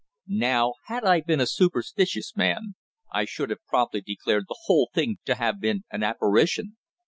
Now had I been a superstitious man I should have promptly declared the whole thing to have been an apparition.